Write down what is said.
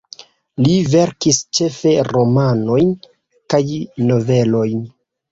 Li verkis ĉefe romanojn kaj novelojn.